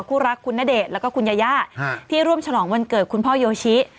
คู่รักคุณณเดชน์แล้วก็คุณยาย่าที่ร่วมฉลองวันเกิดคุณพ่อโยชิ